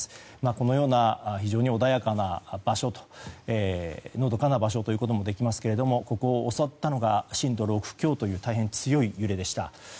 このような非常に穏やかな場所のどかな場所と見ることもできますがここを襲ったのが震度６強という大変強い揺れでした。